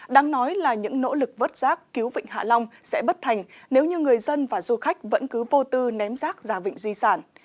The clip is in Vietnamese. đáng nói là những nỗ lực vớt rác cứu vịnh hạ long sẽ bất thành nếu như người dân và du khách vẫn cứ vô tư ném rác ra vịnh di sản